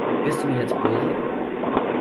Bist du mir jetzt böse?